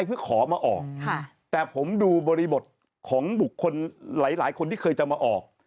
ผมดูบริบทของบุคคลหลายคนที่เคยจะมาออกผมดูบริบทของบุคคลหลายคนที่เคยจะมาออก